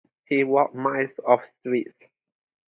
He walked miles of streets.